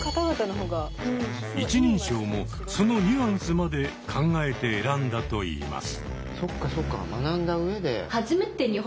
一人称もそのニュアンスまで考えて選んだといいます。